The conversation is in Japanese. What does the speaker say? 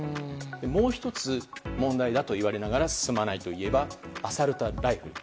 もう１つ、問題だと言われながら進まないといえばアサルトライフル。